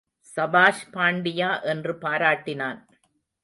சபாஷ் பாண்டியா என்று பாராட்டினான்.